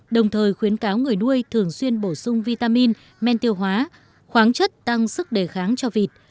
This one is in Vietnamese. đồng thời khuyến cáo người nuôi thường xuyên bổ sung vitamin men tiêu hóa khoáng chất tăng sức đề kháng cho vịt